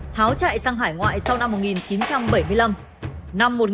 tháo chạy sang hải ngoại sau năm một nghìn chín trăm bảy mươi năm